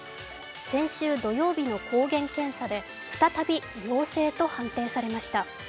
先週土曜日の抗原検査で再び陽性と判定されました。